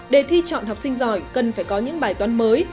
đề thi chọn học sinh giỏi cần phải có những bài toán mới